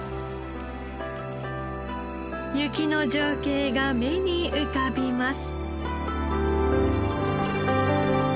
雪の情景が目に浮かびます。